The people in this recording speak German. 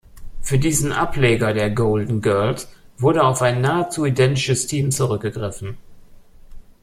Für diesen Ableger der "Golden Girls" wurde auf ein nahezu identisches Team zurückgegriffen.